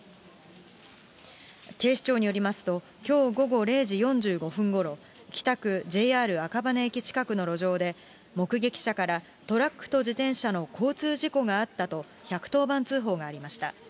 警視庁によりますと、きょう午後０時４５分ごろ、北区ＪＲ赤羽駅近くの路上で、目撃者から、トラックと自転車の交通事故があったと、１１０番通報がありました。